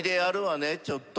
ちょっと。